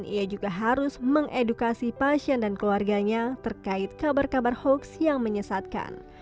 ia juga harus mengedukasi pasien dan keluarganya terkait kabar kabar hoax yang menyesatkan